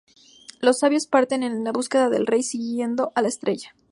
Los sabios parten en busca del Rey siguiendo a la estrella.